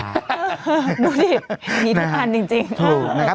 ดูดิอันนี้ธุกัณฑ์จริง